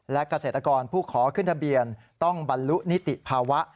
และเกษตรกรผู้ขอขึ้นทะเบียนต้องบรรลุนิติภาวะ